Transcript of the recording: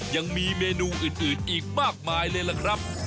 ยังมีเมนูอื่นอีกมากมายเลยล่ะครับ